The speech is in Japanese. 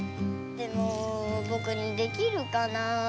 でもぼくにできるかな。